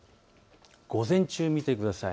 午前中、見てください。